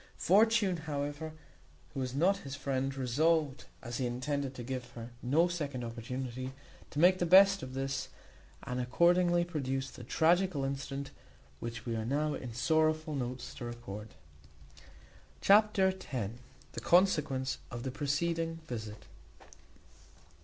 Fortune, however, who was not his friend, resolved, as he intended to give her no second opportunity, to make the best of this; and accordingly produced the tragical incident which we are now in sorrowful notes to record. Chapter x. The consequence of the preceding visit.